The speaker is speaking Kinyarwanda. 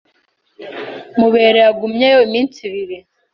Mubera yagumyeyo iminsi ibiri.